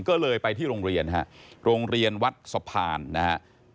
ก็เลยไปที่โรงเรียนฮะโรงเรียนวัดสะพานนะครับ